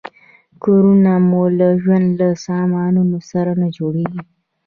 کورونه مو له ژوند له سامانونو سره نه جوړیږي.